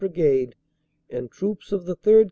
Brigade and troops of the 3rd.